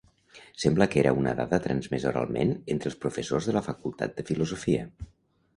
Sembla que era una dada transmesa oralment entre els professors de la facultat de Filosofia.